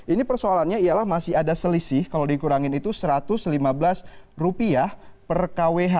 ini persoalannya ialah masih ada selisih kalau dikurangin itu rp satu ratus lima belas per kwh